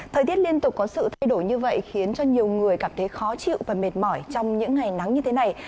thời tiết liên tục có sự thay đổi như vậy khiến cho nhiều người cảm thấy khó chịu và mệt mỏi trong những ngày nắng như thế này